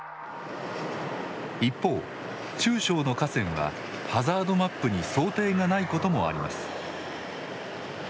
一方、中小の河川はハザードマップに想定がないこともあります。